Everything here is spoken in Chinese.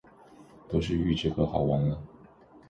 都是预制歌，好完了